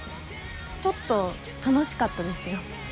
ちょっと楽しかったですよ。